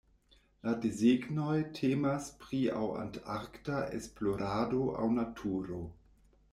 La desegnoj temas pri aŭ antarkta esplorado aŭ naturo.